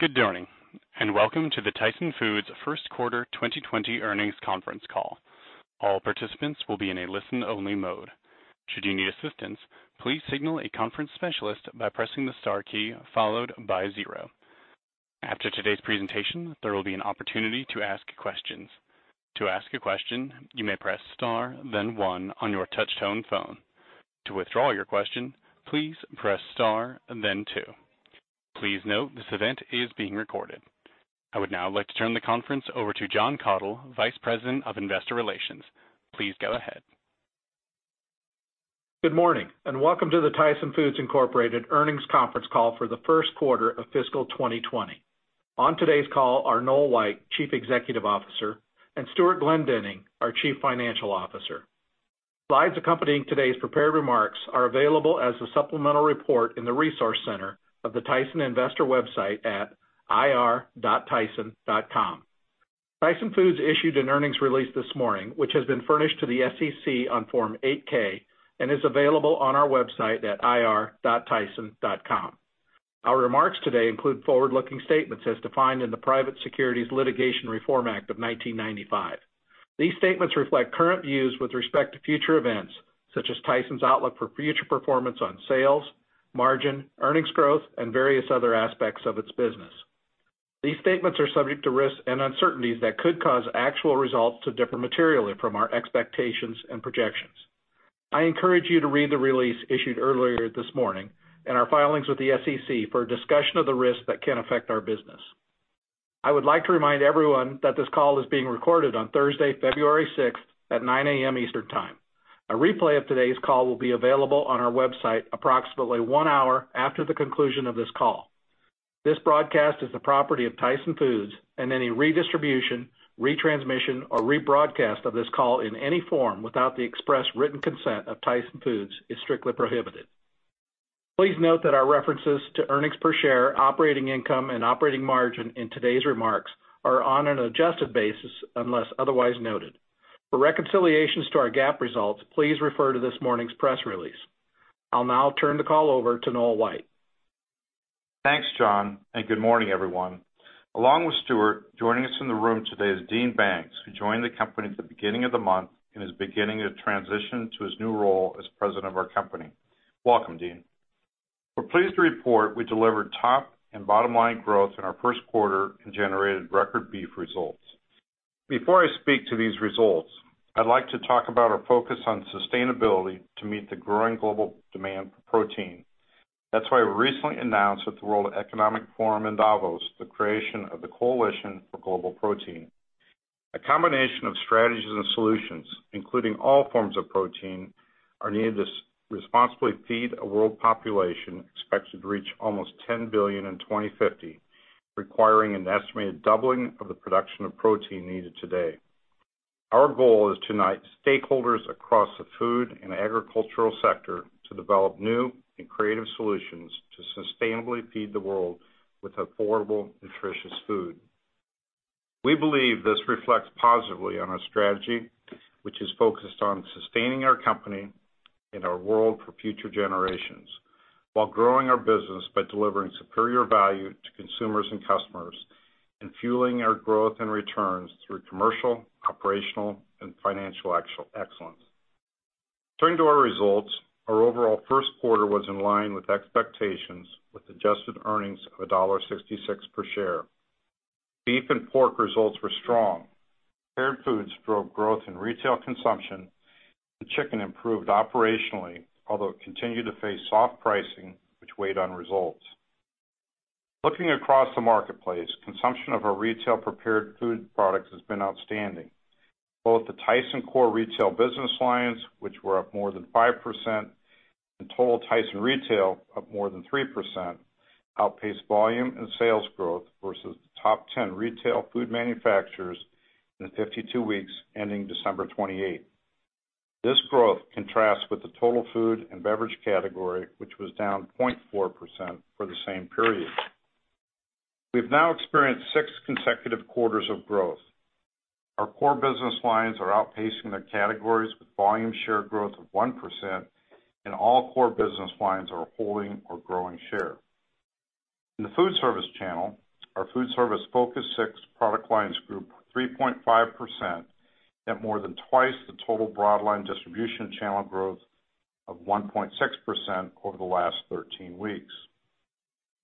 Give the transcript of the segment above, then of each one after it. Good morning, and welcome to the Tyson Foods' first quarter 2020 earnings conference call. All participants will be in a listen only mode. Should you need assistance, please signal a conference specialist by pressing the star key followed by zero. After today's presentation, there will be an opportunity to ask questions. To ask a question, you may press star then one on your touchtone phone. To withdraw your question, please press star and then two. Please note this event is being recorded. I would now like to turn the conference over to Jon Kathol, Vice President of Investor Relations. Please go ahead. Good morning, welcome to the Tyson Foods, Inc. earnings conference call for the first quarter of fiscal 2020. On today's call are Noel White, Chief Executive Officer, and Stewart Glendinning, our Chief Financial Officer. Slides accompanying today's prepared remarks are available as a supplemental report in the resource center of the Tyson Foods investor website at ir.tyson.com. Tyson Foods issued an earnings release this morning, which has been furnished to the SEC on Form 8-K and is available on our website at ir.tyson.com. Our remarks today include forward-looking statements as defined in the Private Securities Litigation Reform Act of 1995. These statements reflect current views with respect to future events, such as Tyson's outlook for future performance on sales, margin, earnings growth, and various other aspects of its business. These statements are subject to risks and uncertainties that could cause actual results to differ materially from our expectations and projections. I encourage you to read the release issued earlier this morning and our filings with the SEC for a discussion of the risks that can affect our business. I would like to remind everyone that this call is being recorded on Thursday, February 6th at 9:00 A.M. Eastern Time. A replay of today's call will be available on our website approximately one hour after the conclusion of this call. This broadcast is the property of Tyson Foods, any redistribution, retransmission, or rebroadcast of this call in any form without the express written consent of Tyson Foods is strictly prohibited. Please note that our references to earnings per share, operating income, and operating margin in today's remarks are on an adjusted basis unless otherwise noted. For reconciliations to our GAAP results, please refer to this morning's press release. I'll now turn the call over to Noel White. Thanks, Jon. Good morning, everyone. Along with Stewart, joining us in the room today is Dean Banks, who joined the company at the beginning of the month and is beginning to transition to his new role as President of our company. Welcome, Dean. We're pleased to report we delivered top and bottom-line growth in our first quarter and generated record beef results. Before I speak to these results, I'd like to talk about our focus on sustainability to meet the growing global demand for protein. That's why we recently announced at the World Economic Forum in Davos the creation of the Coalition for Global Protein. A combination of strategies and solutions, including all forms of protein, are needed to responsibly feed a world population expected to reach almost 10 billion in 2050, requiring an estimated doubling of the production of protein needed today. Our goal is to unite stakeholders across the food and agricultural sector to develop new and creative solutions to sustainably feed the world with affordable, nutritious food. We believe this reflects positively on our strategy, which is focused on sustaining our company and our world for future generations while growing our business by delivering superior value to consumers and customers and fueling our growth and returns through commercial, operational, and financial excellence. Turning to our results, our overall first quarter was in line with expectations with adjusted earnings of $1.66 per share. Beef and pork results were strong. Prepared foods drove growth in retail consumption, and chicken improved operationally, although it continued to face soft pricing, which weighed on results. Looking across the marketplace, consumption of our retail prepared food products has been outstanding. Both the Tyson core retail business lines, which were up more than 5%, and total Tyson retail, up more than 3%, outpaced volume and sales growth versus the top 10 retail food manufacturers in the 52 weeks ending December 28th. This growth contrasts with the total food and beverage category, which was down 0.4% for the same period. We've now experienced six consecutive quarters of growth. Our core business lines are outpacing their categories with volume share growth of 1%, and all core business lines are holding or growing share. In the food service channel, our food service Focus product lines grew 3.5% at more than twice the total broadline distribution channel growth of 1.6% over the last 13 weeks.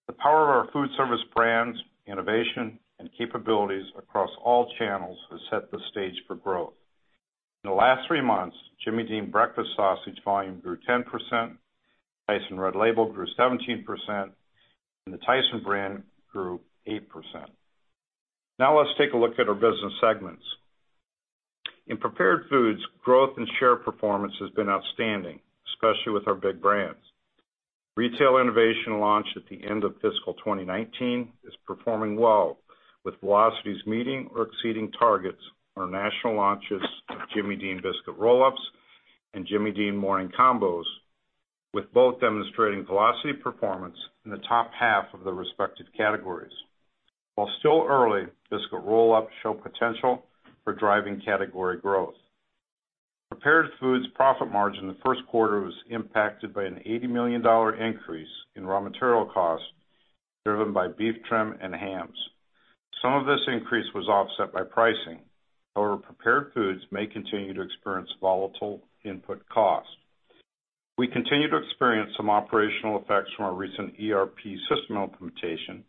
The power of our food service brands, innovation, and capabilities across all channels has set the stage for growth. In the last three months, Jimmy Dean breakfast sausage volume grew 10%, Tyson Red Label grew 17%, and the Tyson brand grew 8%. Let's take a look at our business segments. In prepared foods, growth and share performance has been outstanding, especially with our big brands. Retail innovation launched at the end of fiscal 2019 is performing well with velocities meeting or exceeding targets on our national launches of Jimmy Dean Biscuit Roll-Ups and Jimmy Dean Morning Combos, with both demonstrating velocity performance in the top half of the respective categories. While still early, Biscuit Roll-Ups show potential for driving category growth. Prepared foods profit margin in the first quarter was impacted by an $80 million increase in raw material costs, driven by beef trim and hams. Some of this increase was offset by pricing. Prepared foods may continue to experience volatile input costs. We continue to experience some operational effects from our recent ERP system implementation,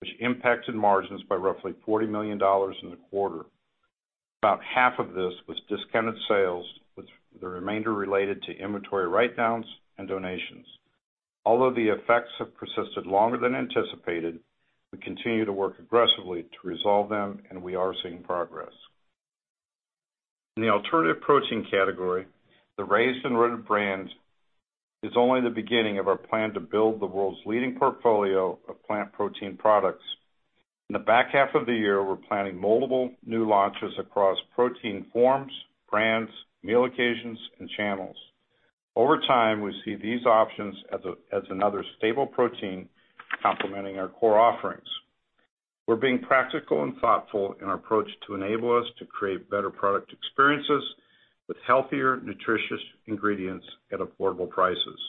which impacted margins by roughly $40 million in the quarter. About half of this was discounted sales, with the remainder related to inventory write-downs and donations. Although the effects have persisted longer than anticipated, we continue to work aggressively to resolve them, and we are seeing progress. In the alternative protein category, the Raised & Rooted brand is only the beginning of our plan to build the world's leading portfolio of plant protein products. In the back half of the year, we're planning multiple new launches across protein forms, brands, meal occasions, and channels. Over time, we see these options as another stable protein complementing our core offerings. We're being practical and thoughtful in our approach to enable us to create better product experiences with healthier, nutritious ingredients at affordable prices.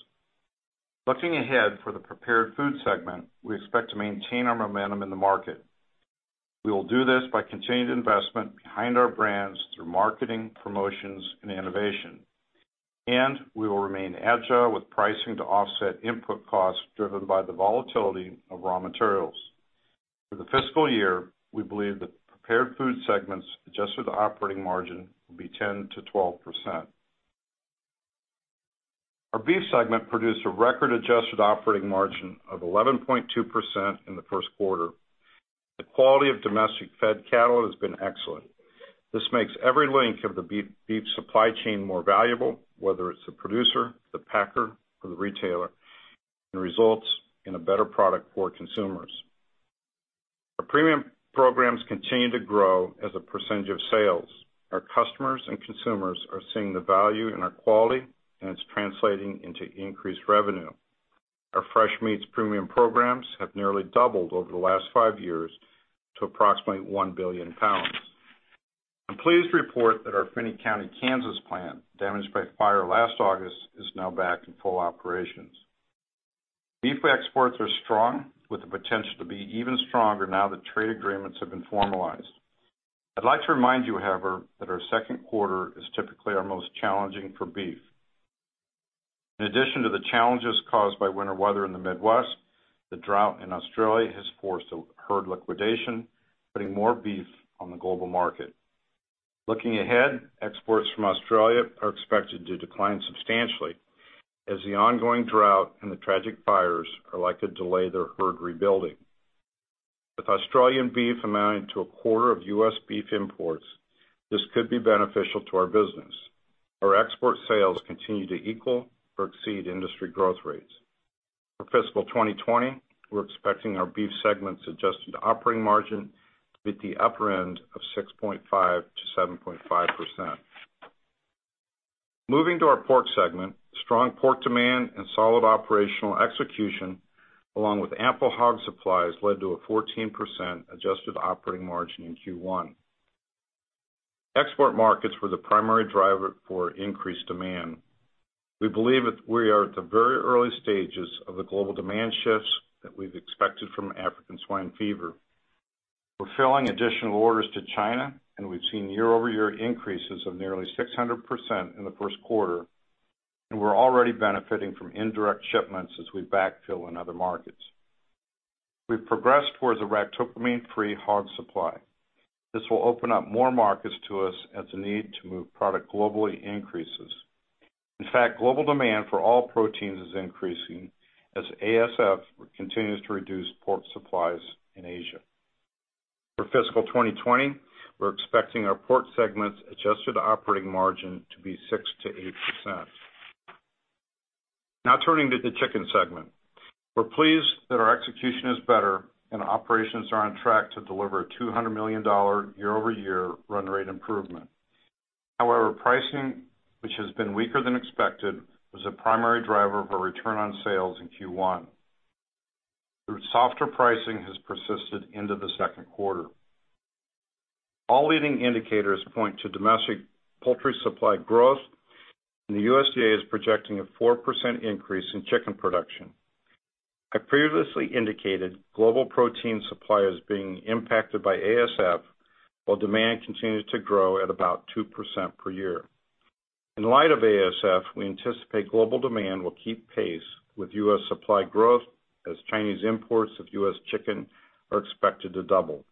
Looking ahead for the Prepared Food segment, we expect to maintain our momentum in the market. We will do this by continued investment behind our brands through marketing, promotions, and innovation, and we will remain agile with pricing to offset input costs driven by the volatility of raw materials. For the fiscal year, we believe the Prepared Food segment's adjusted operating margin will be 10%-12%. Our Beef segment produced a record-adjusted operating margin of 11.2% in the first quarter. The quality of domestic fed cattle has been excellent. This makes every link of the beef supply chain more valuable, whether it's the producer, the packer, or the retailer, and results in a better product for consumers. Our premium programs continue to grow as a percentage of sales. Our customers and consumers are seeing the value in our quality, and it's translating into increased revenue. Our fresh meats premium programs have nearly doubled over the last five years to approximately 1 billion pounds. I'm pleased to report that our Finney County, Kansas plant, damaged by fire last August, is now back in full operations. Beef exports are strong, with the potential to be even stronger now that trade agreements have been formalized. I'd like to remind you, however, that our second quarter is typically our most challenging for beef. In addition to the challenges caused by winter weather in the Midwest, the drought in Australia has forced a herd liquidation, putting more beef on the global market. Looking ahead, exports from Australia are expected to decline substantially as the ongoing drought and the tragic fires are likely to delay their herd rebuilding. With Australian beef amounting to a quarter of U.S. beef imports, this could be beneficial to our business. Our export sales continue to equal or exceed industry growth rates. For fiscal 2020, we're expecting our beef segment's adjusted operating margin to be at the upper end of 6.5%-7.5%. Moving to our pork segment, strong pork demand and solid operational execution, along with ample hog supplies, led to a 14% adjusted operating margin in Q1. Export markets were the primary driver for increased demand. We believe that we are at the very early stages of the global demand shifts that we've expected from African swine fever. We're filling additional orders to China, and we've seen year-over-year increases of nearly 600% in the first quarter, and we're already benefiting from indirect shipments as we backfill in other markets. We've progressed towards a ractopamine-free hog supply. This will open up more markets to us as the need to move product globally increases. In fact, global demand for all proteins is increasing as ASF continues to reduce pork supplies in Asia. For FY 2020, we're expecting our Pork segment's adjusted operating margin to be 6%-8%. Turning to the Chicken segment. We're pleased that our execution is better and our operations are on track to deliver a $200 million year-over-year run rate improvement. Pricing, which has been weaker than expected, was a primary driver of our return on sales in Q1, though softer pricing has persisted into the second quarter. All leading indicators point to domestic poultry supply growth, and the USDA is projecting a 4% increase in chicken production. I previously indicated global protein supply is being impacted by ASF while demand continues to grow at about 2% per year. In light of ASF, we anticipate global demand will keep pace with U.S. supply growth, as Chinese imports of U.S. chicken are expected to double.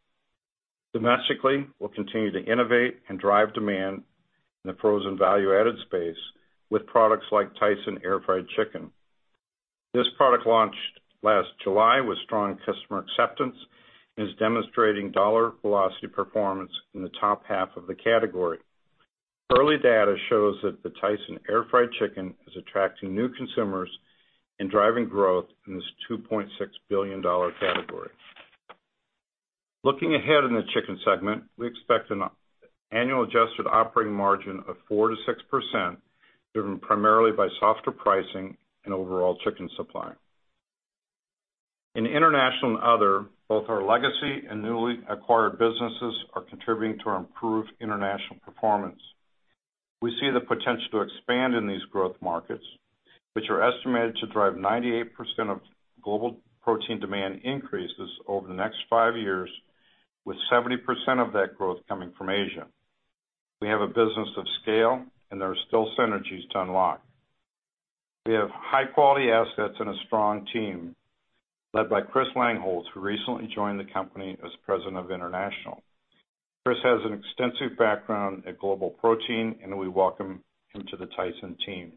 Domestically, we'll continue to innovate and drive demand in the frozen value-added space with products like Tyson Air Fried Chicken. This product launched last July with strong customer acceptance and is demonstrating dollar velocity performance in the top half of the category. Early data shows that the Tyson Air Fried Chicken is attracting new consumers and driving growth in this $2.6 billion category. Looking ahead in the Chicken segment, we expect an annual adjusted operating margin of 4%-6%, driven primarily by softer pricing and overall chicken supply. In international and other, both our legacy and newly acquired businesses are contributing to our improved international performance. We see the potential to expand in these growth markets, which are estimated to drive 98% of global protein demand increases over the next five years, with 70% of that growth coming from Asia. We have a business of scale, and there are still synergies to unlock. We have high-quality assets and a strong team led by Chris Langholz, who recently joined the company as President of International. Chris has an extensive background at Global Protein, and we welcome him to the Tyson team.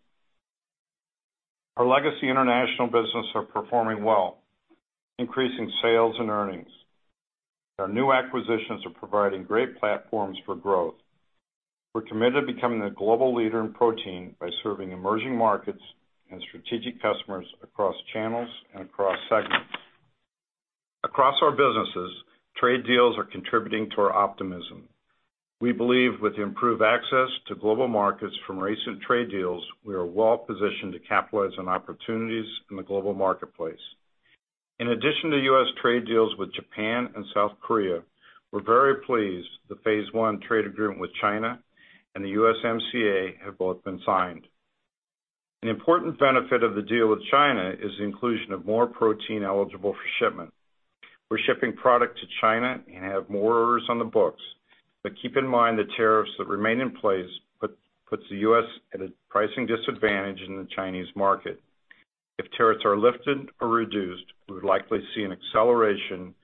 Our legacy international businesses are performing well, increasing sales and earnings. Our new acquisitions are providing great platforms for growth. We're committed to becoming a global leader in protein by serving emerging markets and strategic customers across channels and across segments. Across our businesses, trade deals are contributing to our optimism. We believe with the improved access to global markets from recent trade deals, we are well positioned to capitalize on opportunities in the global marketplace. In addition to U.S. trade deals with Japan and South Korea, we're very pleased that Phase One Trade Agreement with China and the USMCA have both been signed. An important benefit of the deal with China is the inclusion of more protein eligible for shipment. We're shipping product to China and have more orders on the books. Keep in mind, the tariffs that remain in place put the U.S. at a pricing disadvantage in the Chinese market. If tariffs are lifted or reduced, we would likely see an acceleration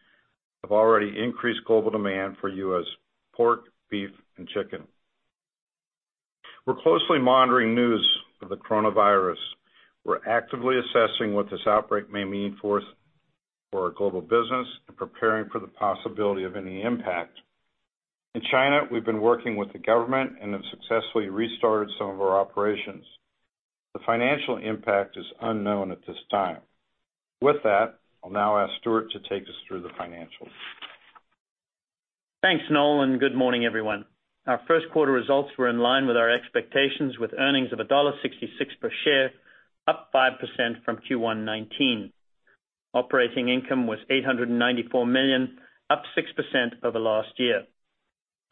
of already increased global demand for U.S. pork, beef, and chicken. We're closely monitoring news of the coronavirus. We're actively assessing what this outbreak may mean for us for our global business and preparing for the possibility of any impact. In China, we've been working with the government and have successfully restarted some of our operations. The financial impact is unknown at this time. With that, I'll now ask Stewart to take us through the financials. Thanks, Noel. Good morning, everyone. Our first quarter results were in line with our expectations, with earnings of $1.66 per share, up 5% from Q1 2019. Operating income was $894 million, up 6% over last year.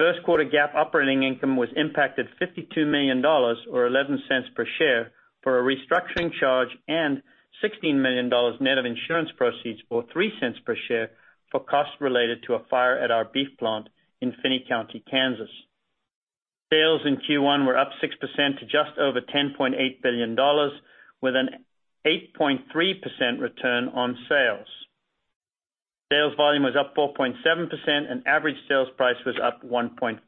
First quarter GAAP operating income was impacted $52 million, or $0.11 per share, for a restructuring charge and $16 million net of insurance proceeds, or $0.03 per share, for costs related to a fire at our beef plant in Finney County, Kansas. Sales in Q1 were up 6% to just over $10.8 billion, with an 8.3% return on sales. Sales volume was up 4.7%. Average sales price was up 1.4%.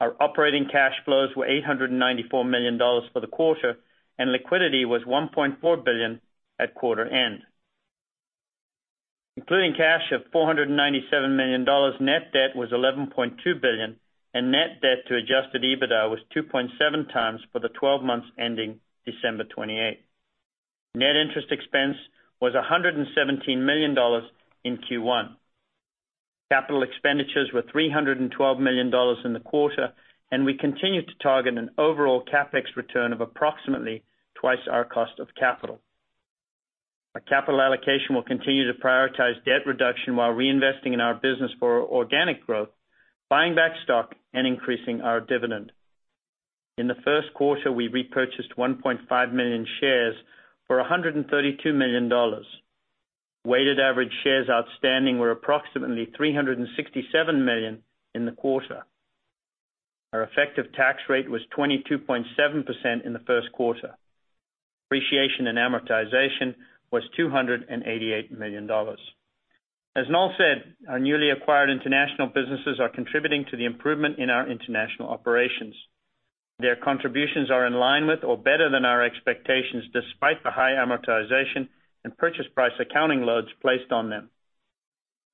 Our operating cash flows were $894 million for the quarter, and liquidity was $1.4 billion at quarter end. Including cash of $497 million, net debt was $11.2 billion, and net debt to adjusted EBITDA was 2.7x for the 12 months ending December 28th. Net interest expense was $117 million in Q1. Capital expenditures were $312 million in the quarter, and we continue to target an overall CapEx return of approximately twice our cost of capital. Our capital allocation will continue to prioritize debt reduction while reinvesting in our business for organic growth, buying back stock, and increasing our dividend. In the first quarter, we repurchased 1.5 million shares for $132 million. Weighted average shares outstanding were approximately 367 million in the quarter. Our effective tax rate was 22.7% in the first quarter. Depreciation and amortization was $288 million. As Noel said, our newly acquired international businesses are contributing to the improvement in our international operations. Their contributions are in line with or better than our expectations, despite the high amortization and purchase price accounting loads placed on them.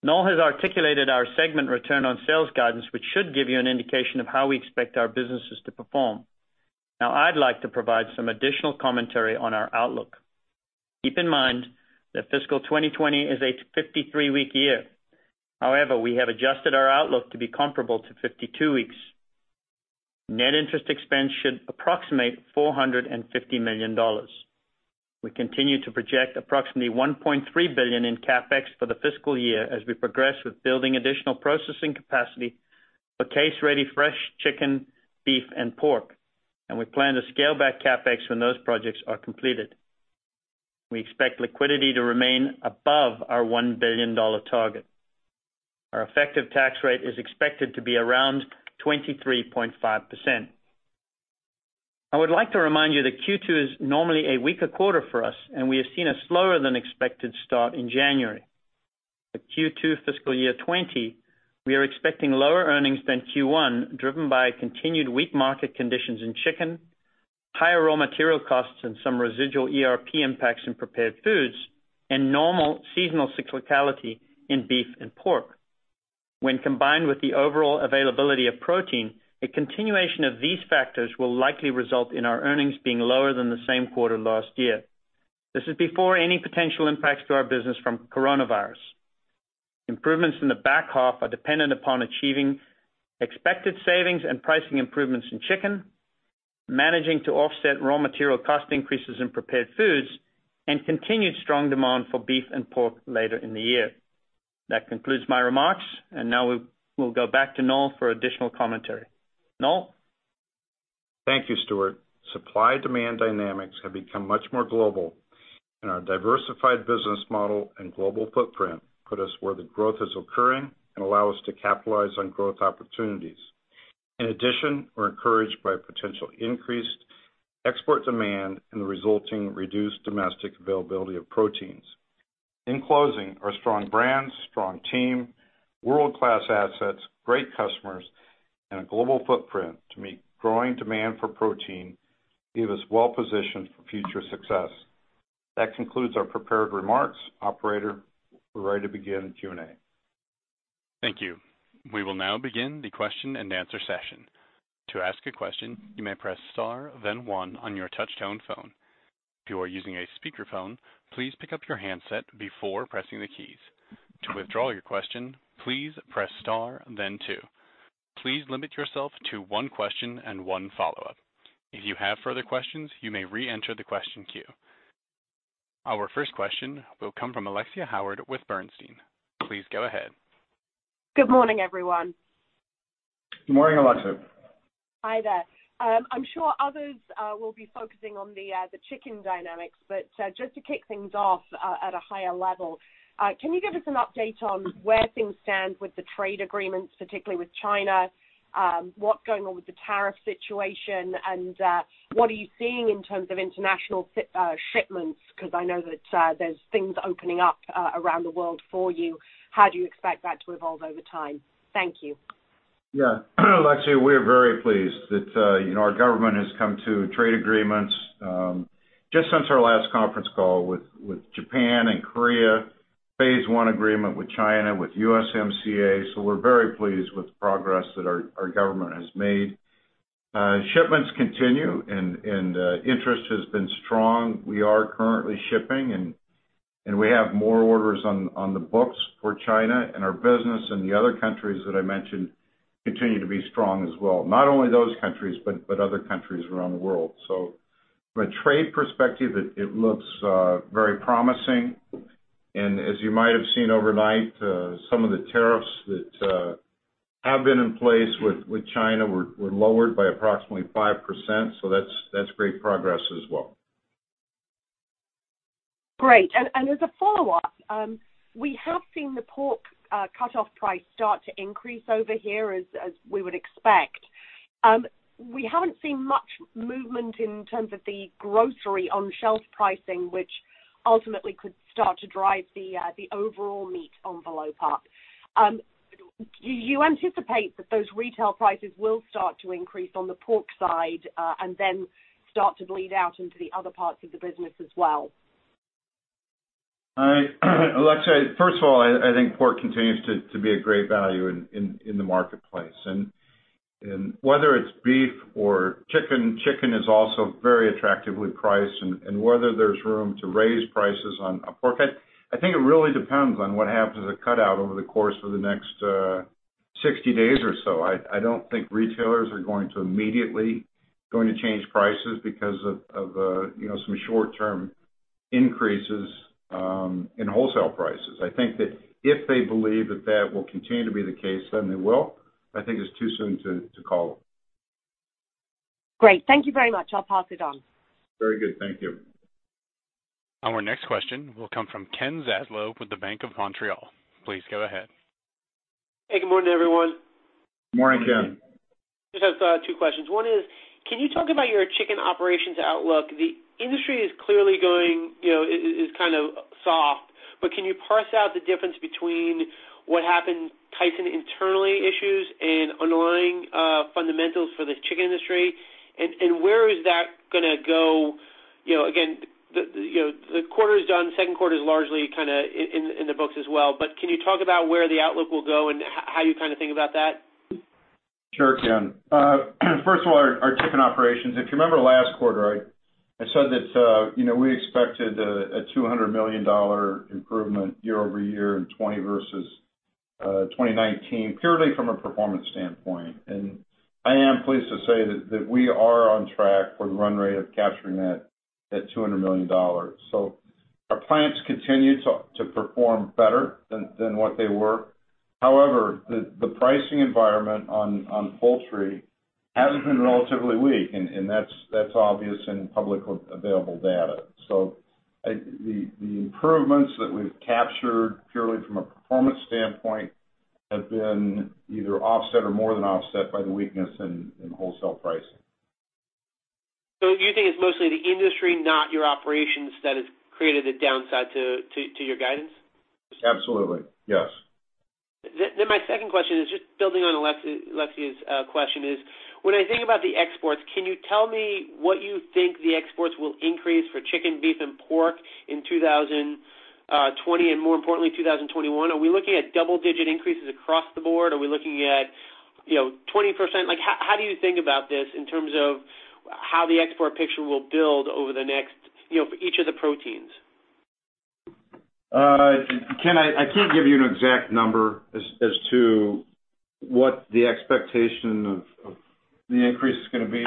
Noel has articulated our segment return on sales guidance, which should give you an indication of how we expect our businesses to perform. Now, I'd like to provide some additional commentary on our outlook. Keep in mind that fiscal 2020 is a 53-week year. However, we have adjusted our outlook to be comparable to 52 weeks. Net interest expense should approximate $450 million. We continue to project approximately $1.3 billion in CapEx for the fiscal year as we progress with building additional processing capacity for case-ready fresh chicken, beef, and pork. We plan to scale back CapEx when those projects are completed. We expect liquidity to remain above our $1 billion target. Our effective tax rate is expected to be around 23.5%. I would like to remind you that Q2 is normally a weaker quarter for us, and we have seen a slower than expected start in January. At Q2 fiscal year 2020, we are expecting lower earnings than Q1, driven by continued weak market conditions in Chicken, higher raw material costs and some residual ERP impacts in prepared foods, and normal seasonal cyclicality in beef and pork. When combined with the overall availability of protein, a continuation of these factors will likely result in our earnings being lower than the same quarter last year. This is before any potential impacts to our business from coronavirus. Improvements in the back half are dependent upon achieving expected savings and pricing improvements in Chicken, managing to offset raw material cost increases in prepared foods, and continued strong demand for beef and pork later in the year. That concludes my remarks, and now we'll go back to Noel for additional commentary. Noel? Thank you, Stewart. Supply-demand dynamics have become much more global, and our diversified business model and global footprint put us where the growth is occurring and allow us to capitalize on growth opportunities. In addition, we're encouraged by potential increased export demand and the resulting reduced domestic availability of proteins. In closing, our strong brands, strong team, world-class assets, great customers, and a global footprint to meet growing demand for protein leave us well positioned for future success. That concludes our prepared remarks. Operator, we're ready to begin Q&A. Thank you. We will now begin the question-and-answer session. To ask a question, you may press star then one on your touchtone phone. If you are using a speakerphone, please pick up your handset before pressing the keys. To withdraw your question, please press star then two. Please limit yourself to one question and one follow-up. If you have further questions, you may reenter the question queue. Our first question will come from Alexia Howard with Bernstein. Please go ahead. Good morning, everyone. Good morning, Alexia. Hi there. I'm sure others will be focusing on the Chicken dynamics, but just to kick things off at a higher level, can you give us an update on where things stand with the trade agreements, particularly with China? What's going on with the tariff situation, and what are you seeing in terms of international shipments? I know that there's things opening up around the world for you. How do you expect that to evolve over time? Thank you. Alexia, we are very pleased that our government has come to trade agreements, just since our last conference call with Japan and Korea, Phase One agreement with China, with USMCA. We're very pleased with the progress that our government has made. Shipments continue and interest has been strong. We are currently shipping and we have more orders on the books for China, and our business in the other countries that I mentioned continue to be strong as well. Not only those countries, but other countries around the world. From a trade perspective, it looks very promising. As you might have seen overnight, some of the tariffs that have been in place with China were lowered by approximately 5%. That's great progress as well. Great. As a follow-up, we have seen the pork cutoff price start to increase over here as we would expect. We haven't seen much movement in terms of the grocery on-shelf pricing, which ultimately could start to drive the overall meat envelope up. Do you anticipate that those retail prices will start to increase on the pork side, and then start to bleed out into the other parts of the business as well? Alexia, first of all, I think pork continues to be a great value in the marketplace. Whether it's beef or chicken is also very attractively priced. Whether there's room to raise prices on pork, I think it really depends on what happens at cutout over the course of the next 60 days or so. I don't think retailers are going to immediately change prices because of some short-term increases in wholesale prices. I think that if they believe that that will continue to be the case, then they will. I think it's too soon to call. Great. Thank you very much. I'll pass it on. Very good. Thank you. Our next question will come from Ken Zaslow with the BMO Capital Markets. Please go ahead. Hey, good morning, everyone. Morning, Ken. Just have two questions. One is, can you talk about your chicken operations outlook? The industry is kind of soft, but can you parse out the difference between what happened Tyson internally issues and underlying fundamentals for the chicken industry? Where is that going to go? Again, the quarter is done, second quarter is largely in the books as well, can you talk about where the outlook will go and how you think about that? Sure, Ken. First of all, our chicken operations. If you remember last quarter, I said that we expected a $200 million improvement year-over-year in 2020 versus 2019, purely from a performance standpoint. I am pleased to say that we are on track for the run rate of capturing that at $200 million. Our plants continue to perform better than what they were. However, the pricing environment on poultry has been relatively weak, and that's obvious in publicly available data. The improvements that we've captured purely from a performance standpoint have been either offset or more than offset by the weakness in wholesale pricing. You think it's mostly the industry, not your operations, that has created a downside to your guidance? Absolutely. Yes. My second question is just building on Alexia's question is, when I think about the exports, can you tell me what you think the exports will increase for chicken, beef, and pork in 2020 and more importantly, 2021? Are we looking at double-digit increases across the board? Are we looking at 20%? How the export picture will build for each of the proteins? Ken, I can't give you an exact number as to what the expectation of the increase is going to be.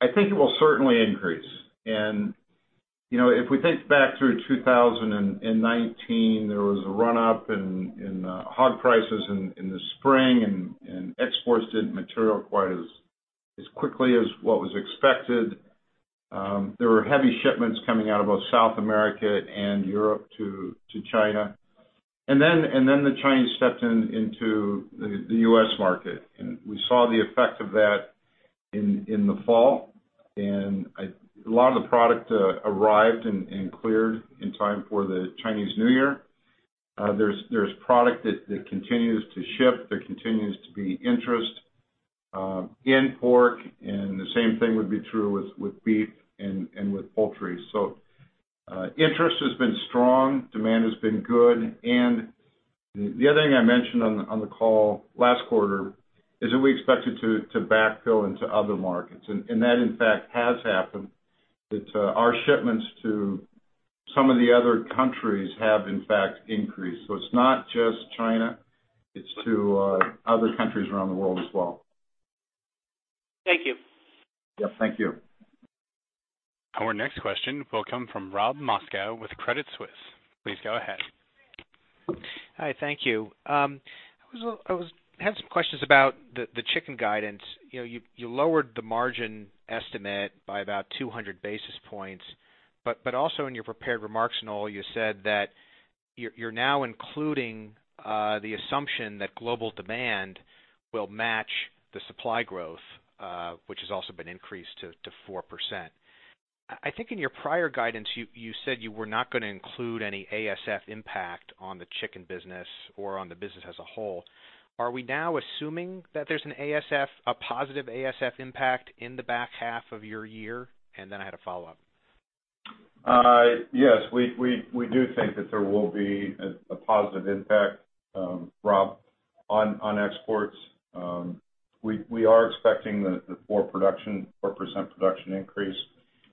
I think it will certainly increase. If we think back through 2019, there was a run-up in hog prices in the spring and exports didn't materialize quite as quickly as what was expected. There were heavy shipments coming out of both South America and Europe to China. The Chinese stepped into the U.S. market, and we saw the effect of that in the fall. A lot of the product arrived and cleared in time for the Chinese New Year. There's product that continues to ship. There continues to be interest in pork, and the same thing would be true with beef and with poultry. Interest has been strong, demand has been good. The other thing I mentioned on the call last quarter is that we expected to backfill into other markets, and that in fact, has happened, that our shipments to some of the other countries have, in fact, increased. It's not just China, it's to other countries around the world as well. Thank you. Yep. Thank you. Our next question will come from Rob Moskow with Credit Suisse. Please go ahead. Hi. Thank you. I had some questions about the chicken guidance. You lowered the margin estimate by about 200 basis points, also in your prepared remarks and all, you said that you're now including the assumption that global demand will match the supply growth, which has also been increased to 4%. I think in your prior guidance, you said you were not going to include any ASF impact on the chicken business or on the business as a whole. Are we now assuming that there's a positive ASF impact in the back half of your year? Then I had a follow-up. Yes. We do think that there will be a positive impact, Rob, on exports. We are expecting the 4% production increase.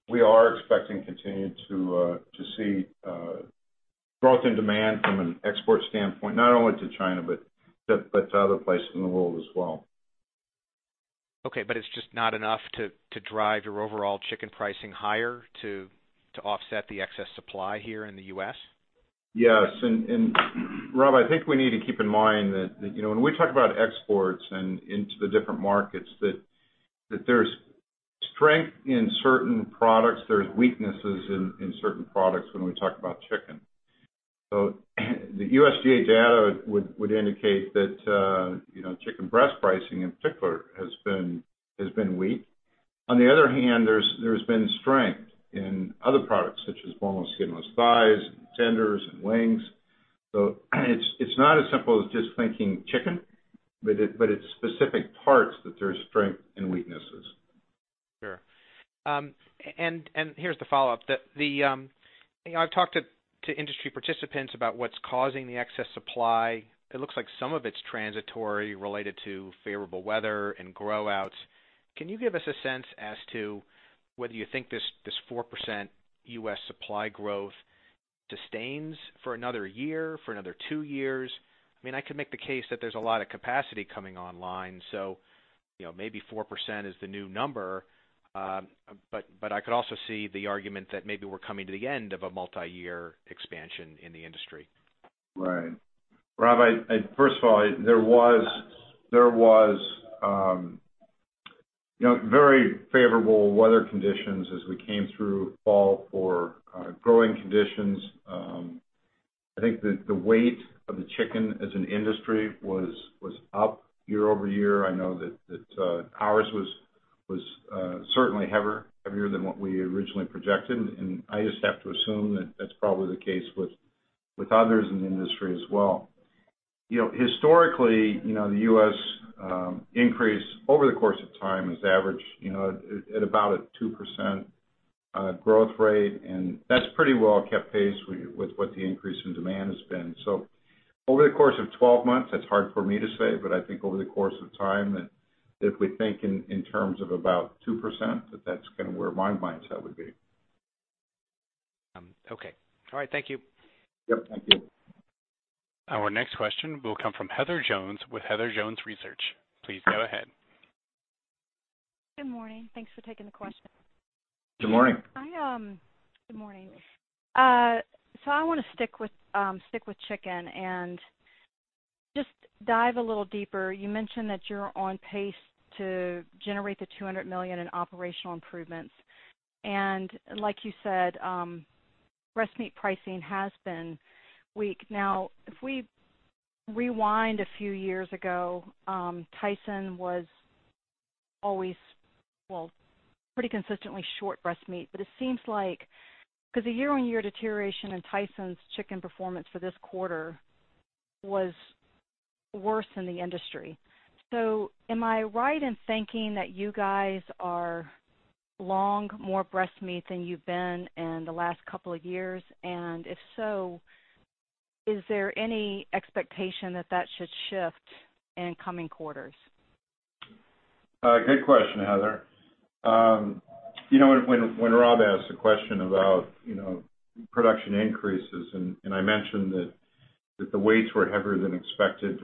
We are expecting continue to see growth in demand from an export standpoint, not only to China, but to other places in the world as well. Okay. It's just not enough to drive your overall chicken pricing higher to offset the excess supply here in the U.S.? Yes. Rob, I think we need to keep in mind that when we talk about exports and into the different markets, that there's strength in certain products, there's weaknesses in certain products when we talk about chicken. The USDA data would indicate that chicken breast pricing, in particular, has been weak. On the other hand, there's been strength in other products such as boneless, skinless thighs and tenders and wings. It's not as simple as just thinking chicken, but it's specific parts that there's strength and weaknesses. Sure. Here's the follow-up. I've talked to industry participants about what's causing the excess supply. It looks like some of it's transitory related to favorable weather and grow outs. Can you give us a sense as to whether you think this 4% U.S. supply growth sustains for another year, for another two years? I could make the case that there's a lot of capacity coming online. Maybe 4% is the new number. I could also see the argument that maybe we're coming to the end of a multi-year expansion in the industry. Right. Rob, first of all, there was very favorable weather conditions as we came through fall for growing conditions. I think that the weight of the chicken as an industry was up year-over-year. I know that ours was certainly heavier than what we originally projected, and I just have to assume that that's probably the case with others in the industry as well. Historically, the U.S. increase over the course of time has averaged at about a 2% growth rate, and that's pretty well kept pace with what the increase in demand has been. Over the course of 12 months, that's hard for me to say, but I think over the course of time that if we think in terms of about 2%, that that's kind of where my mindset would be. Okay. All right. Thank you. Yep. Thank you. Our next question will come from Heather Jones with Heather Jones Research. Please go ahead. Good morning. Thanks for taking the question. Good morning. Good morning. I want to stick with chicken and just dive a little deeper. You mentioned that you're on pace to generate the $200 million in operational improvements. Like you said, breast meat pricing has been weak. Now, if we rewind a few years ago, Tyson was always, well, pretty consistently short breast meat. The year-on-year deterioration in Tyson's chicken performance for this quarter was worse than the industry. Am I right in thinking that you guys are long more breast meat than you've been in the last couple of years? If so, is there any expectation that that should shift in coming quarters? Good question, Heather. When Rob asked a question about production increases and I mentioned that the weights were heavier than expected,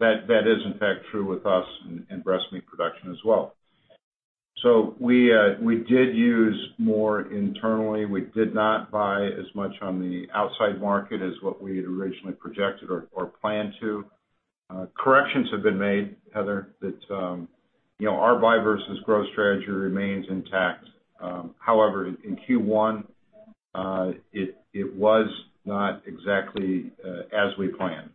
that is in fact true with us in breast meat production as well. We did use more internally. We did not buy as much on the outside market as what we had originally projected or planned to. Corrections have been made, Heather, that our buy versus grow strategy remains intact. In Q1, it was not exactly as we planned.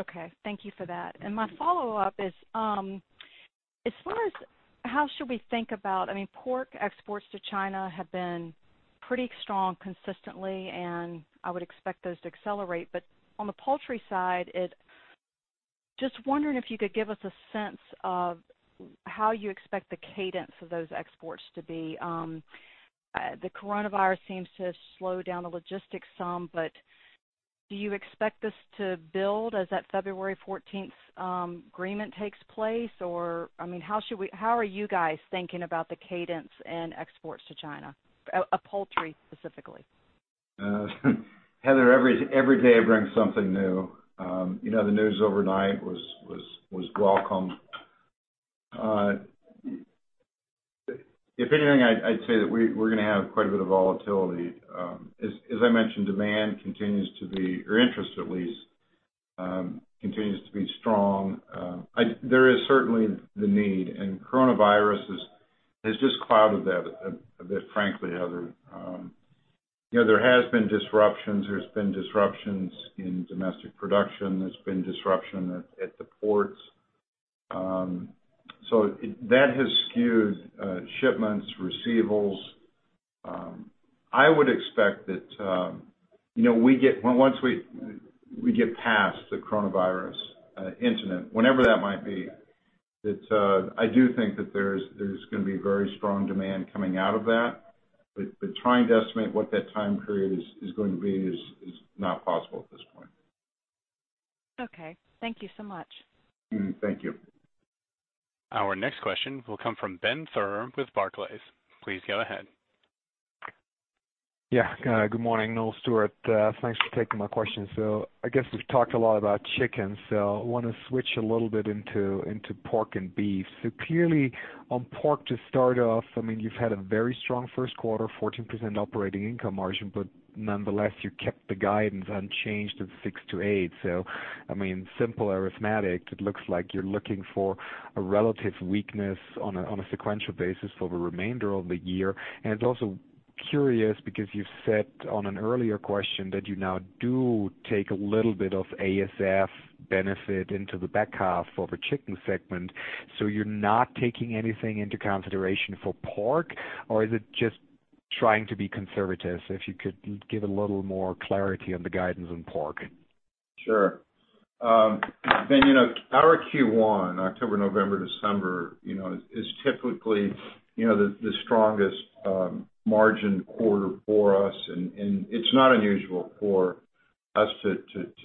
Okay. Thank you for that. My follow-up is, as far as how should we think about pork exports to China have been pretty strong consistently, and I would expect those to accelerate. On the poultry side, just wondering if you could give us a sense of how you expect the cadence of those exports to be. The coronavirus seems to have slowed down the logistics some, but do you expect this to build as that February 14th agreement takes place? Or how are you guys thinking about the cadence in exports to China, of poultry specifically? Heather, every day brings something new. The news overnight was welcome. If anything, I'd say that we're going to have quite a bit of volatility. As I mentioned, demand continues to be, or interest at least, continues to be strong. There is certainly the need. coronavirus has just clouded that a bit, frankly, Heather. There has been disruptions. There's been disruptions in domestic production. There's been disruption at the ports. That has skewed shipments, receivables. I would expect that once we get past the coronavirus incident, whenever that might be, that I do think that there's going to be very strong demand coming out of that. Trying to estimate what that time period is going to be is not possible at this point. Okay. Thank you so much, Thank you. Our next question will come from Ben Theurer with Barclays. Please go ahead. Yeah. Good morning, Noel, Stewart. Thanks for taking my question. I guess we've talked a lot about chicken, so I want to switch a little bit into pork and beef. Clearly on pork to start off, you've had a very strong first quarter, 14% operating income margin, but nonetheless, you kept the guidance unchanged at 6%-8%. So, i mean simple arithmetic, it looks like you're looking for a relative weakness on a sequential basis for the remainder of the year. And also curious because you've said on an earlier question that you now do take a little bit of ASF benefit into the back half of the Chicken segment. You're not taking anything into consideration for pork, or is it just trying to be conservative? If you could give a little more clarity on the guidance on pork. Sure. Ben, our Q1, October, November, December, is typically the strongest margin quarter for us. It's not unusual for us to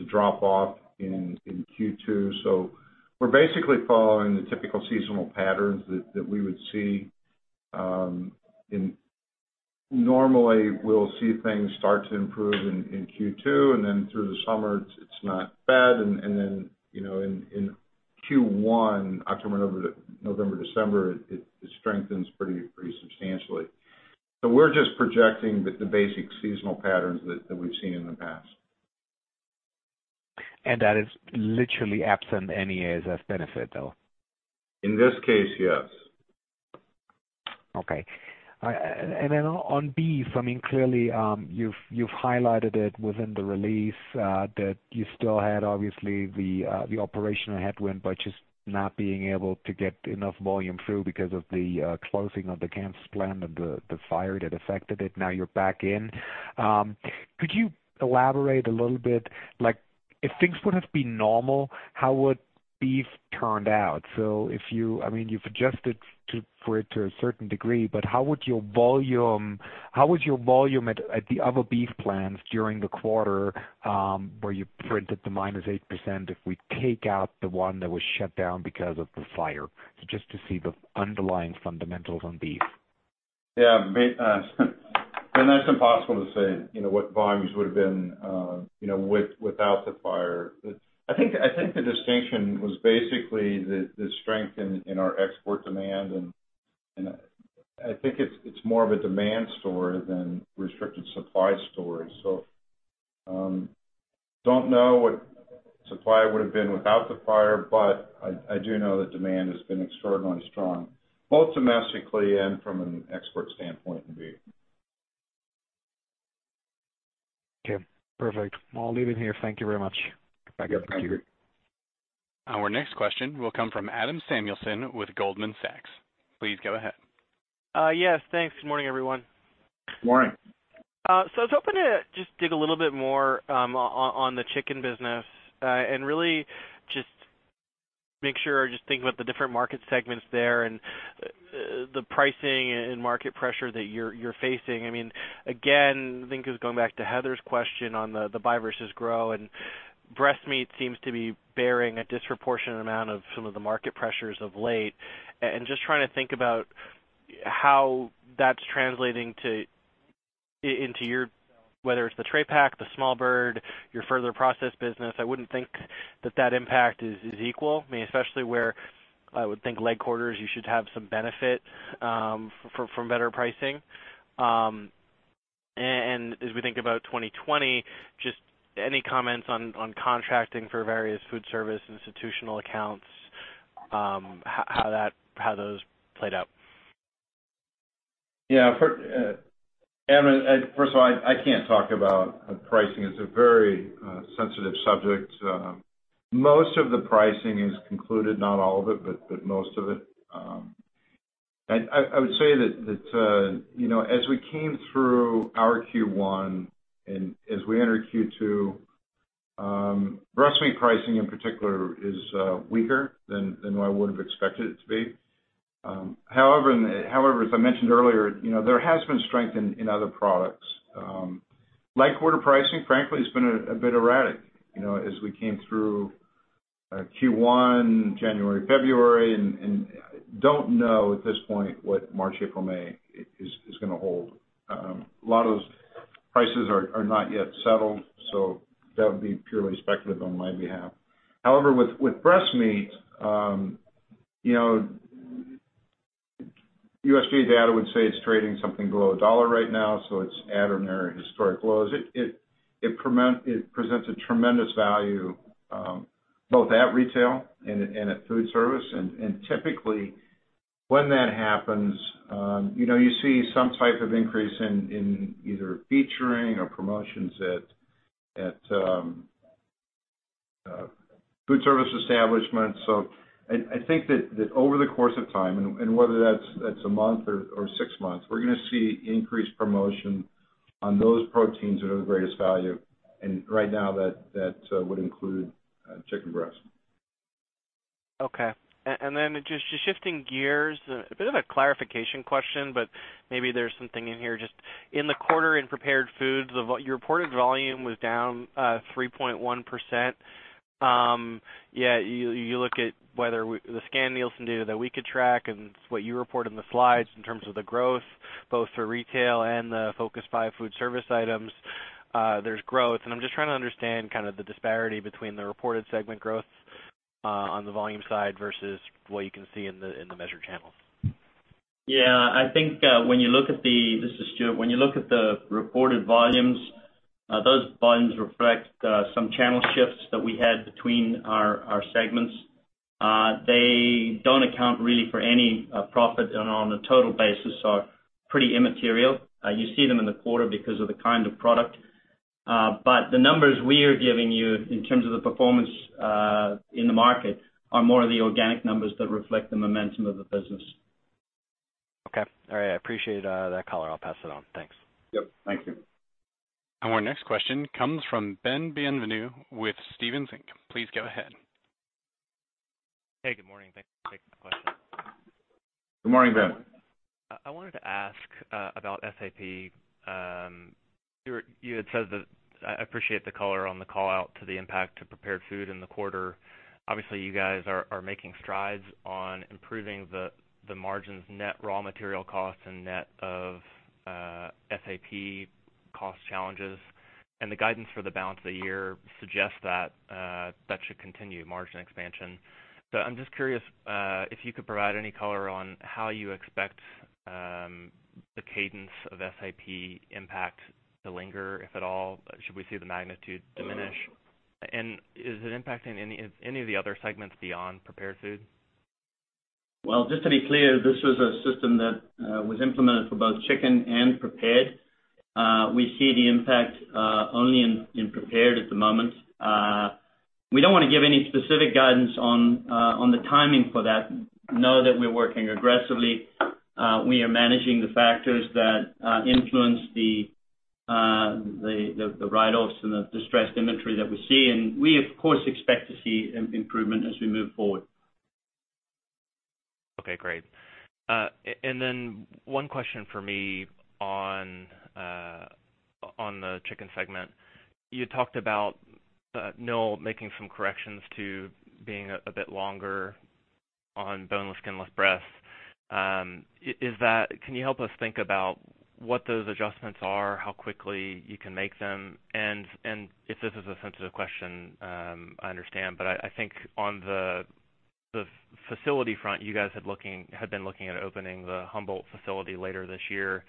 drop off in Q2. We're basically following the typical seasonal patterns that we would see. Normally, we'll see things start to improve in Q2, and then through the summer it's not bad, and then in Q1, October, November, December, it strengthens pretty substantially. We're just projecting the basic seasonal patterns that we've seen in the past. That is literally absent any ASF benefit, though? In this case, yes. Okay. On beef, clearly, you've highlighted it within the release that you still had, obviously, the operational headwind by just not being able to get enough volume through because of the closing of the Kansas plant and the fire that affected it. Now you're back in. Could you elaborate a little bit, if things would have been normal, how would beef turned out? You've adjusted for it to a certain degree, but how was your volume at the other beef plants during the quarter where you printed the -8% if we take out the one that was shut down because of the fire? Just to see the underlying fundamentals on beef. Yeah, Ben, that's impossible to say what volumes would've been without the fire. I think the distinction was basically the strength in our export demand, and I think it's more of a demand story than restricted supply story. Don't know what supply would've been without the fire, but I do know that demand has been extraordinarily strong, both domestically and from an export standpoint in beef. Okay, perfect. I'll leave it here. Thank you very much. Yeah. Thank you. Our next question will come from Adam Samuelson with Goldman Sachs. Please go ahead. Yes, thanks. Good morning, everyone. Morning. I was hoping to just dig a little bit more on the chicken business and really just make sure I think about the different market segments there and the pricing and market pressure that you're facing. Again, I think this is going back to Heather's question on the buy versus grow, and breast meat seems to be bearing a disproportionate amount of some of the market pressures of late. Just trying to think about how that's translating into your, whether it's the tray pack, the small bird, your further process business. I wouldn't think that that impact is equal, especially where I would think leg quarters, you should have some benefit from better pricing. As we think about 2020, just any comments on contracting for various foodservice institutional accounts, how those played out? Yeah. Adam, first of all, I can't talk about pricing. It's a very sensitive subject. Most of the pricing is concluded, not all of it, but most of it. I would say that as we came through our Q1 and as we enter Q2, breast meat pricing in particular is weaker than what I would've expected it to be. As I mentioned earlier, there has been strength in other products. Leg quarter pricing, frankly, has been a bit erratic as we came through Q1, January, February, and don't know at this point what March, April, May is going to hold. A lot of those prices are not yet settled, that would be purely speculative on my behalf. With breast meat, USDA data would say it's trading something below $1 right now, it's at or near historic lows. It presents a tremendous value both at retail and at food service. Typically when that happens, you see some type of increase in either featuring or promotions at food service establishments. I think that over the course of time, and whether that's one month or six months, we're going to see increased promotion on those proteins that are the greatest value. Right now that would include chicken breast. Okay. Then just shifting gears, a bit of a clarification question, but maybe there's something in here. Just in the quarter in prepared foods, your reported volume was down 3.1%. Yet you look at whether the Scan Nielsen data that we could track and what you report in the slides in terms of the growth, both for retail and the Focus 6 Food Service Items, there's growth. I'm just trying to understand the disparity between the reported segment growth on the volume side versus what you can see in the measured channels. Yeah, I think when you look at this is Stewart. When you look at the reported volumes, those volumes reflect some channel shifts that we had between our segments. They don't account really for any profit and on a total basis are pretty immaterial. You see them in the quarter because of the kind of product. The numbers we are giving you in terms of the performance in the market are more of the organic numbers that reflect the momentum of the business. Okay. All right. I appreciate that color. I'll pass it on. Thanks. Yep. Thank you. Our next question comes from Ben Bienvenu with Stephens Inc. Please go ahead. Hey, good morning. Thanks for taking the question. Good morning, Ben. I wanted to ask about SAP. You had said I appreciate the color on the callout to the impact to prepared food in the quarter. Obviously, you guys are making strides on improving the margins net raw material costs and net of SAP cost challenges, and the guidance for the balance of the year suggests that should continue margin expansion. I'm just curious if you could provide any color on how you expect the cadence of SAP impact to linger, if at all. Should we see the magnitude diminish? Is it impacting any of the other segments beyond prepared food? Well, just to be clear, this was a system that was implemented for both chicken and prepared. We see the impact only in prepared at the moment. We don't want to give any specific guidance on the timing for that. Know that we're working aggressively. We are managing the factors that influence the write-offs and the distressed inventory that we see, and we of course, expect to see improvement as we move forward. Okay, great. Then one question for me on the Chicken segment. You had talked about Noel making some corrections to being a bit longer on boneless, skinless breast. Can you help us think about what those adjustments are, how quickly you can make them, and if this is a sensitive question, I understand, but I think on the facility front, you guys had been looking at opening the Humboldt facility later this year.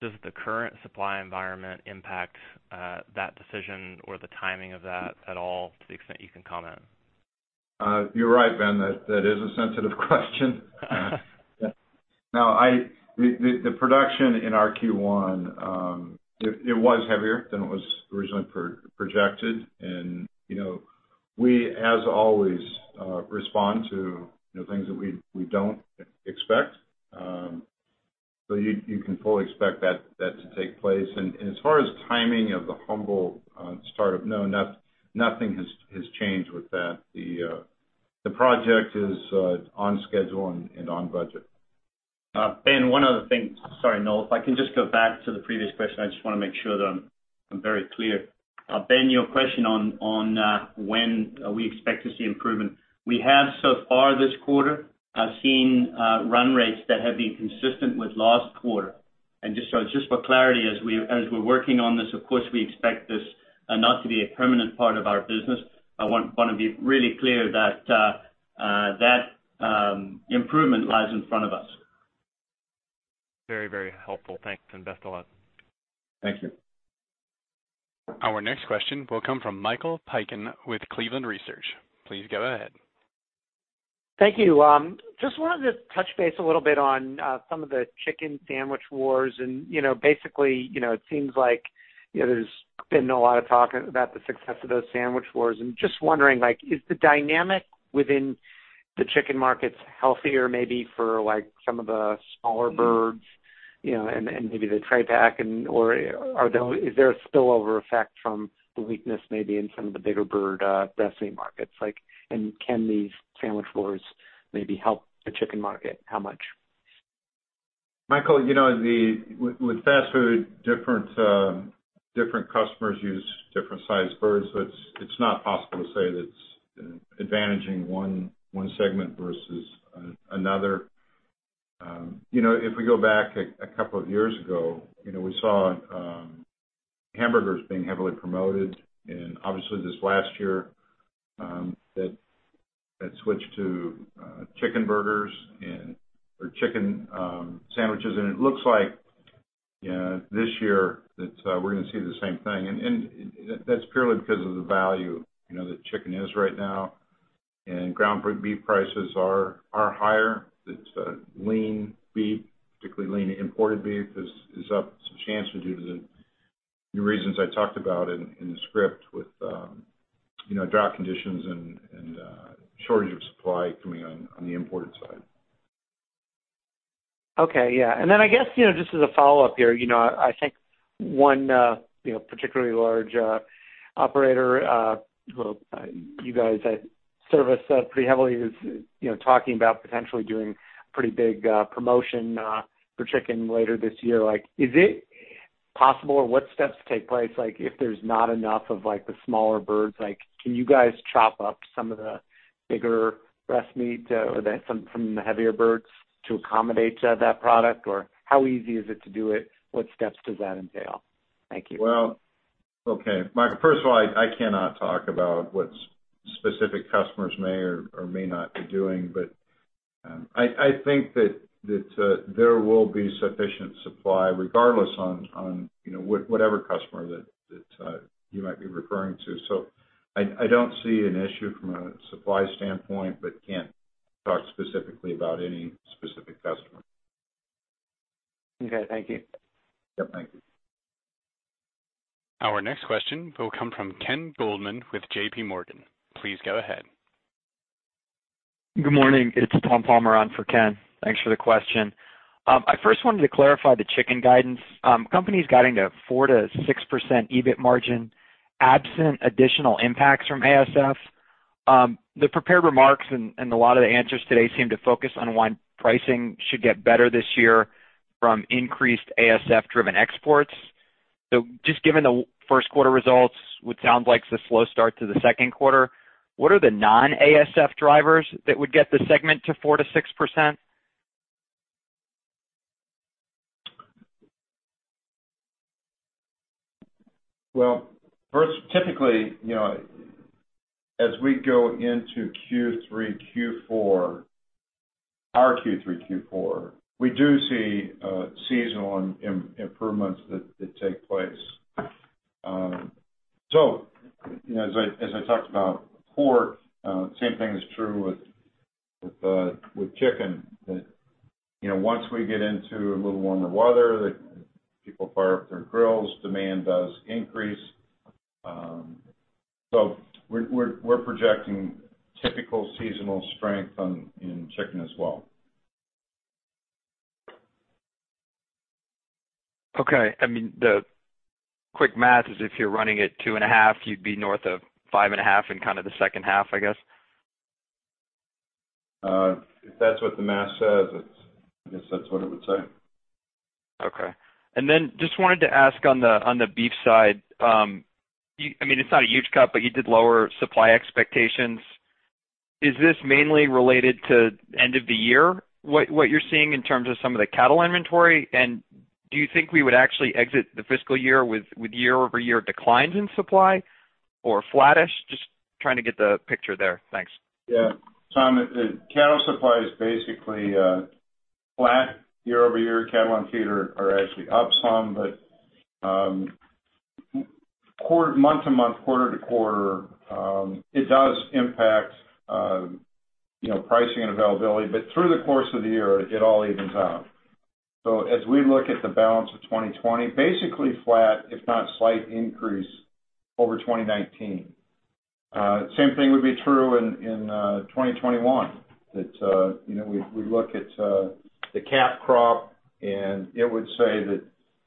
Does the current supply environment impact that decision or the timing of that at all to the extent you can comment? You're right, Ben, that is a sensitive question. The production in our Q1, it was heavier than it was originally projected. We, as always, respond to things that we don't expect. You can fully expect that to take place. As far as timing of the Humboldt startup, no, nothing has changed with that. The project is on schedule and on budget. Ben, one other thing. Sorry, Noel, if I can just go back to the previous question, I just want to make sure that I'm very clear. Ben, your question on when we expect to see improvement. We have so far this quarter, seen run rates that have been consistent with last quarter. Just for clarity, as we're working on this, of course, we expect this not to be a permanent part of our business. I want to be really clear that improvement lies in front of us. Very helpful. Thanks. Best of luck. Thank you. Our next question will come from Michael Piken with Cleveland Research. Please go ahead. Thank you. Just wanted to touch base a little bit on some of the chicken sandwich wars. Basically, it seems like there's been a lot of talk about the success of those sandwich wars. I'm just wondering, is the dynamic within the chicken markets healthier maybe for some of the smaller birds, and maybe the tray pack, or is there a spillover effect from the weakness maybe in some of the bigger bird breast meat markets? Can these sandwich wars maybe help the chicken market? How much? Michael, with fast food, different customers use different size birds, so it's not possible to say that it's advantaging one segment versus another. If we go back a couple of years ago, we saw hamburgers being heavily promoted and obviously this last year, that switched to chicken burgers or chicken sandwiches, and it looks like this year that we're going to see the same thing. That's purely because of the value that chicken is right now. Ground beef prices are higher. Lean beef, particularly lean imported beef, is up substantially due to the reasons I talked about in the script with drought conditions and shortage of supply coming on the imported side. Okay. Yeah. I guess, just as a follow-up here, I think one particularly large operator, well, you guys service pretty heavily is talking about potentially doing a pretty big promotion for Chicken later this year. Is it possible or what steps take place, if there's not enough of the smaller birds, can you guys chop up some of the bigger breast meat or from the heavier birds to accommodate that product? How easy is it to do it? What steps does that entail? Thank you. Well, okay, Mike, first of all, I cannot talk about what specific customers may or may not be doing, but I think that there will be sufficient supply regardless on whatever customer that you might be referring to. I don't see an issue from a supply standpoint, but can't talk specifically about any specific customer. Okay. Thank you. Yep. Thank you. Our next question will come from Ken Goldman with JPMorgan. Please go ahead. Good morning. It's Thomas Palmer on for Ken. Thanks for the question. I first wanted to clarify the chicken guidance. Company's guiding to 4%-6% EBIT margin absent additional impacts from ASF. The prepared remarks and a lot of the answers today seem to focus on why pricing should get better this year from increased ASF-driven exports? Just given the first quarter results, what sounds like the slow start to the second quarter, what are the non-ASF drivers that would get the segment to 4%-6%? Well, first, typically, as we go into Q3, Q4, our Q3, Q4, we do see seasonal improvements that take place. As I talked about pork, same thing is true with chicken. That once we get into a little warmer weather, people fire up their grills, demand does increase. We're projecting typical seasonal strength in chicken as well. Okay. The quick math is if you're running at two and a half, you'd be north of five and a half in kind of the second half, I guess? If that's what the math says, I guess that's what it would say. Okay. Just wanted to ask on the beef side. It is not a huge cut, but you did lower supply expectations. Is this mainly related to end of the year, what you are seeing in terms of some of the cattle inventory? Do you think we would actually exit the fiscal year with year-over-year declines in supply or flattish? Just trying to get the picture there. Thanks. Tom, cattle supply is basically flat year-over-year. Cattle on feed are actually up some, month-to-month, quarter-to-quarter, it does impact pricing and availability, through the course of the year, it all evens out. As we look at the balance of 2020, basically flat, if not slight increase over 2019. Same thing would be true in 2021. We look at the calf crop, it would say that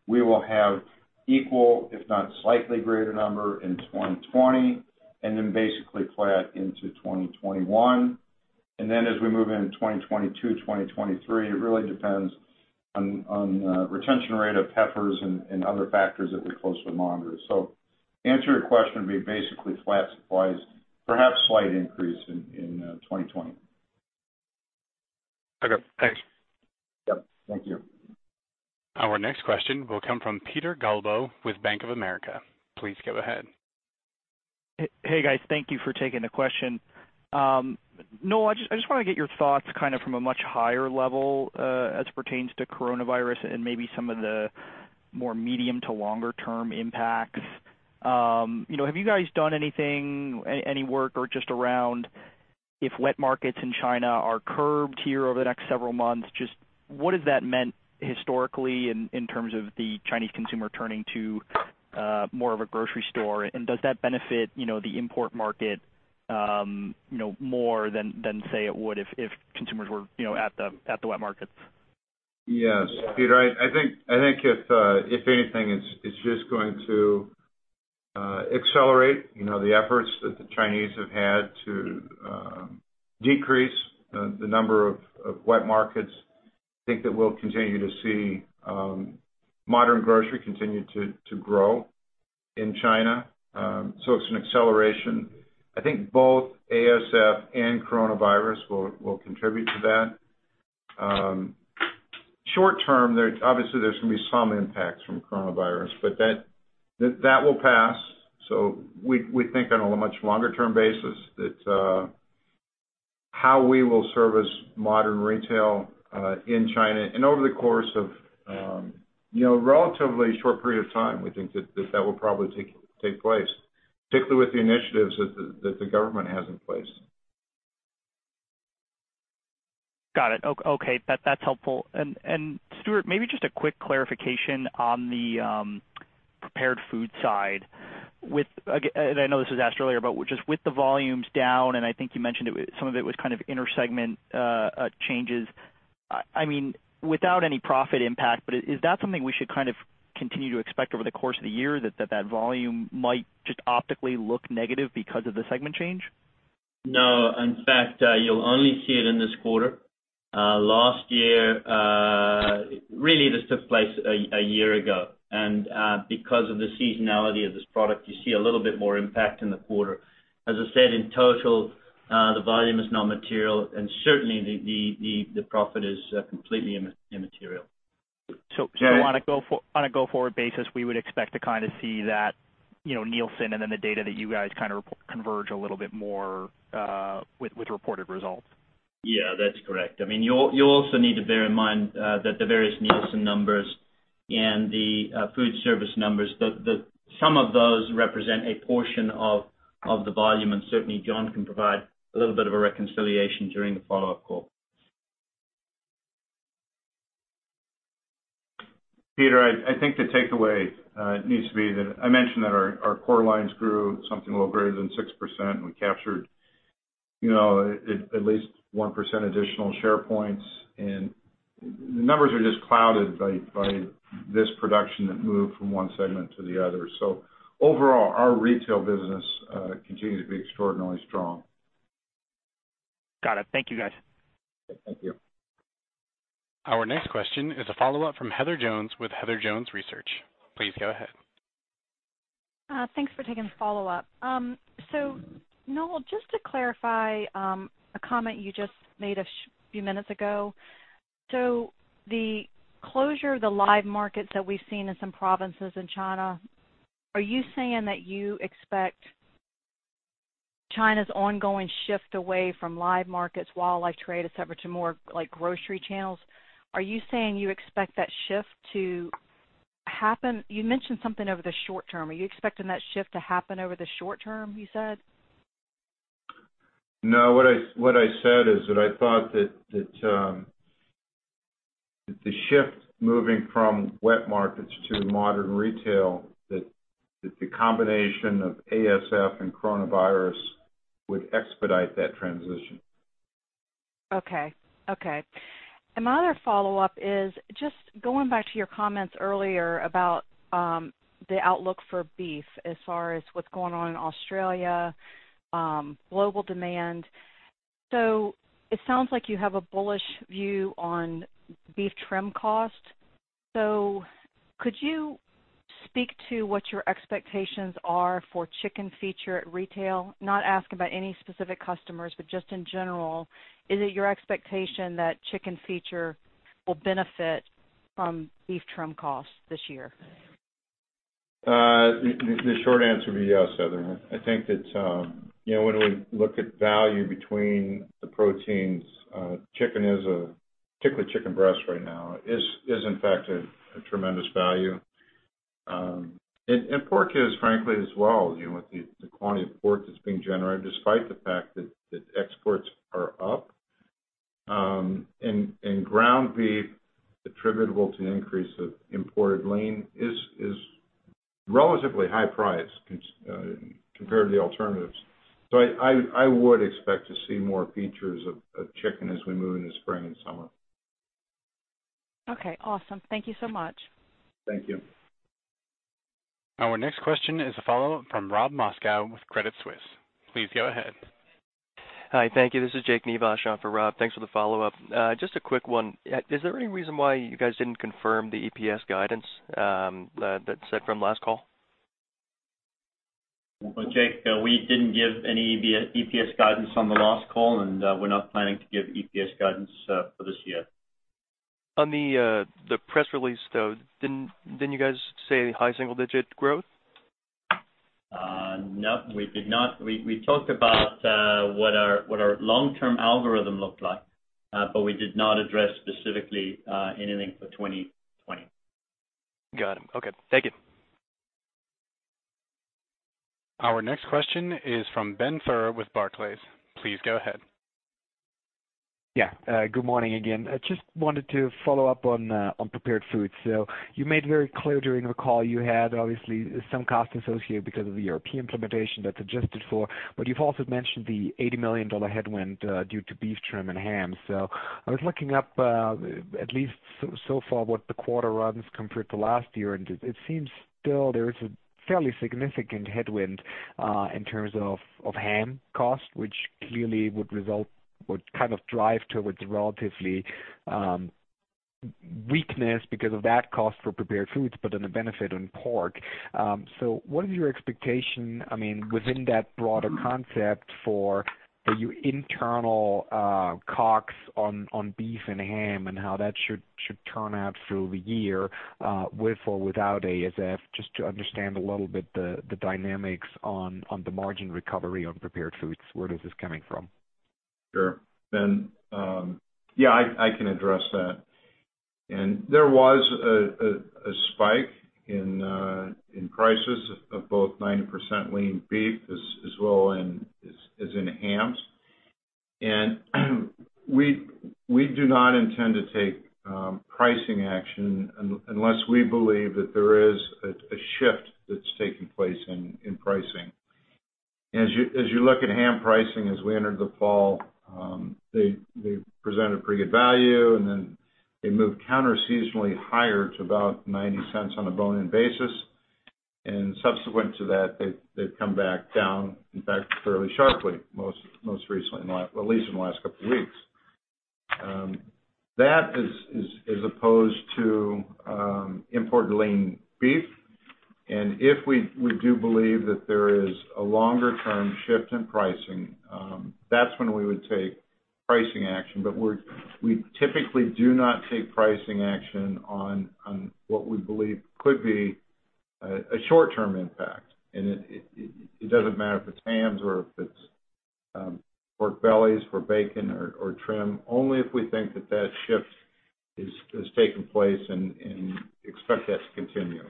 we will have equal, if not slightly greater number in 2020, then basically flat into 2021. As we move into 2022, 2023, it really depends on retention rate of heifers and other factors that we closely monitor. To answer your question, it would be basically flat supplies, perhaps slight increase in 2020. Okay, thanks. Yep, thank you. Our next question will come from Peter Galbo with Bank of America. Please go ahead. Hey, guys. Thank you for taking the question. Noel, I just want to get your thoughts from a much higher level as it pertains to coronavirus and maybe some of the more medium to longer term impacts. Have you guys done anything, any work or just around if wet markets in China are curbed here over the next several months? What has that meant historically in terms of the Chinese consumer turning to more of a grocery store? Does that benefit the import market more than, say, it would if consumers were at the wet markets? Yes. Peter, I think if anything, it's just going to accelerate the efforts that the Chinese have had to decrease the number of wet markets. I think that we'll continue to see modern grocery continue to grow in China. It's an acceleration. I think both ASF and coronavirus will contribute to that. Short term, obviously there's going to be some impacts from coronavirus, but that will pass. We think on a much longer term basis that how we will service modern retail in China and over the course of a relatively short period of time, we think that that will probably take place, particularly with the initiatives that the government has in place. Got it. Okay. That's helpful. Stewart, maybe just a quick clarification on the prepared food side with, and I know this was asked earlier, but just with the volumes down, and I think you mentioned some of it was kind of inter-segment changes. Without any profit impact, is that something we should kind of continue to expect over the course of the year, that volume might just optically look negative because of the segment change? In fact, you'll only see it in this quarter. Last year, really this took place a year ago, and because of the seasonality of this product, you see a little bit more impact in the quarter. As I said, in total, the volume is not material and certainly the profit is completely immaterial. On a go-forward basis, we would expect to kind of see that Nielsen and then the data that you guys kind of converge a little bit more with reported results? Yeah, that's correct. You'll also need to bear in mind that the various Nielsen numbers and the food service numbers, some of those represent a portion of the volume, and certainly Jon can provide a little bit of a reconciliation during the follow-up call. Peter, I think the takeaway needs to be that I mentioned that our core lines grew something a little greater than 6%, and we captured at least 1% additional share points, and numbers are just clouded by this production that moved from one segment to the other. Overall, our retail business continues to be extraordinarily strong. Got it. Thank you, guys. Thank you. Our next question is a follow-up from Heather Jones with Heather Jones Research. Please go ahead. Thanks for taking the follow-up. Noel, just to clarify a comment you just made a few minutes ago. The closure of the live markets that we've seen in some provinces in China, are you saying that you expect China's ongoing shift away from live markets, wildlife trade, et cetera, to more like grocery channels? Are you saying you expect that shift to happen? You mentioned something over the short term. Are you expecting that shift to happen over the short term, you said? No, what I said is that I thought that the shift moving from wet markets to modern retail, that the combination of ASF and coronavirus would expedite that transition. Okay. My other follow-up is just going back to your comments earlier about the outlook for beef as far as what's going on in Australia, global demand. It sounds like you have a bullish view on beef trim cost. Could you speak to what your expectations are for chicken feature at retail? Not asking about any specific customers, but just in general, is it your expectation that chicken feature will benefit from beef trim costs this year? The short answer would be yes, Heather. I think that when we look at value between the proteins, chicken is a, particularly chicken breast right now, is in fact a tremendous value. Pork is frankly as well, with the quantity of pork that's being generated, despite the fact that exports are up. Ground beef attributable to the increase of imported lean is relatively high priced compared to the alternatives. I would expect to see more features of chicken as we move into spring and summer. Okay, awesome. Thank you so much. Thank you. Our next question is a follow-up from Rob Moskow with Credit Suisse. Please go ahead. Hi, thank you. This is Jacob Nivasch for Rob. Thanks for the follow-up. Just a quick one. Is there any reason why you guys didn't confirm the EPS guidance that said from last call? Well, Jacob, we didn't give any EPS guidance on the last call, and we're not planning to give EPS guidance for this year. On the press release, though, didn't you guys say high single-digit growth? No, we did not. We talked about what our long-term algorithm looked like. We did not address specifically anything for 2020. Got it. Okay. Thank you. Our next question is from Ben Theurer with Barclays. Please go ahead. Yeah. Good morning again. I just wanted to follow up on prepared foods. You made very clear during the call you had obviously some cost associated because of the European implementation that's adjusted for. You've also mentioned the $80 million headwind due to beef trim and ham. I was looking up, at least so far, what the quarter runs compared to last year, and it seems still there is a fairly significant headwind in terms of ham cost, which clearly would kind of drive towards relatively weakness because of that cost for prepared foods, but then a benefit in pork. What is your expectation within that broader concept for your internal costs on beef and ham and how that should turn out through the year with or without ASF, just to understand a little bit the dynamics on the margin recovery on prepared foods. Where is this coming from? Sure. Ben, yeah, I can address that. There was a spike in prices of both 90% lean beef as well as in hams. We do not intend to take pricing action unless we believe that there is a shift that's taking place in pricing. As you look at ham pricing as we entered the fall, they presented pretty good value, then they moved counter-seasonally higher to about $0.90 on a bone-in basis. Subsequent to that, they've come back down, in fact, fairly sharply, most recently, at least in the last couple of weeks. That as opposed to imported lean beef. If we do believe that there is a longer-term shift in pricing, that's when we would take pricing action. We typically do not take pricing action on what we believe could be a short-term impact. It doesn't matter if it's hams or if it's pork bellies for bacon or trim, only if we think that that shift has taken place and expect that to continue.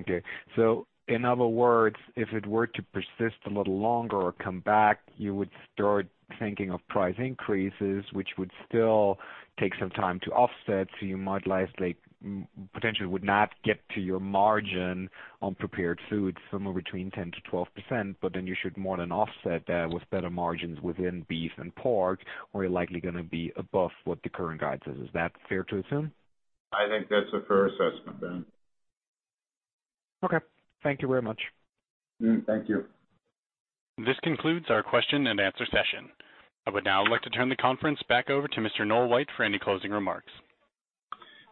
Okay. In other words, if it were to persist a little longer or come back, you would start thinking of price increases, which would still take some time to offset. You potentially would not get to your margin on prepared foods, somewhere between 10%-12%, you should more than offset that with better margins within beef and pork, you're likely going to be above what the current guide says. Is that fair to assume? I think that's a fair assessment, Ben. Okay. Thank you very much. Thank you. This concludes our question-and-answer session. I would now like to turn the conference back over to Mr. Noel White for any closing remarks.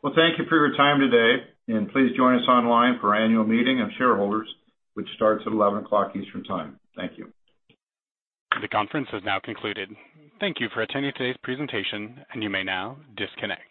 Well, thank you for your time today, and please join us online for annual meeting of shareholders, which starts at 11:00 Eastern time. Thank you. The conference has now concluded. Thank you for attending today's presentation. You may now disconnect.